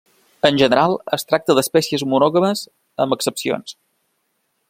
En general es tracta d'espècies monògames, amb excepcions.